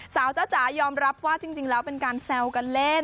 จ้าจ๋ายอมรับว่าจริงแล้วเป็นการแซวกันเล่น